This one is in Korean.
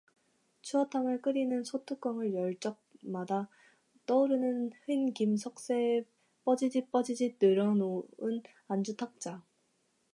추어탕을 끓이는 솥뚜껑을 열 적마다 떠오르는 흰김 석쇠에서 뻐지짓뻐지짓 늘어놓인 안주 탁자